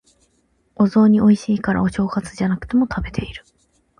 お雑煮美味しいから、お正月じゃなくても食べてる。